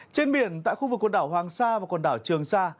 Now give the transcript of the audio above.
trên biển tại khu vực quần đảo hoàng sa và quần đảo trường sa